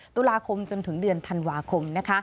ตุลาคมจนถึงเดือนธันวาคม